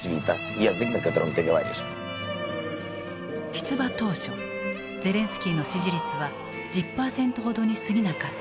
出馬当初ゼレンスキーの支持率は１０パーセントほどにすぎなかった。